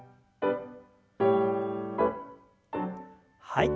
はい。